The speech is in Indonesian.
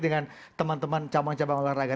dengan teman teman cabang cabang olahraga